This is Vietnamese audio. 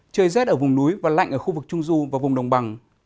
trời rét ở vùng núi và lạnh ở khu vực trung du và vùng đồng bằng